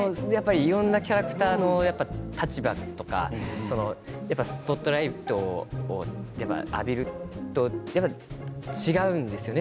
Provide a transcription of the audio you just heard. いろんなキャラクターの立場というか、スポットライトを浴びると違うんですよね。